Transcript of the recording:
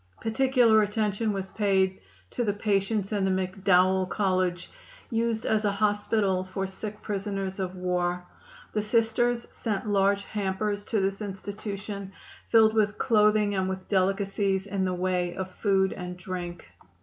Particular attention was paid to the patients in the McDowell College, used as a hospital for sick prisoners of war. The Sisters sent large hampers to this institution filled with clothing and with delicacies in the way of food and drink.